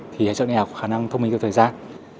thì trợ lý ảo có khả năng thông minh theo thời gian